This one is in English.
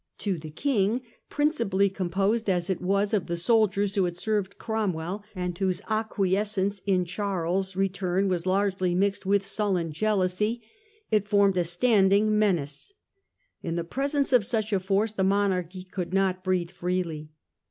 To the King, principally army ' composed as it was of the soldiers who had served Cromwell, and whose acquiescence in Charles's return was largely mingled with sullen jealousy, it formed a standing menace ; in the presence of such a force the monarchy could not breathe freely.